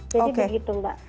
jadi begitu mbak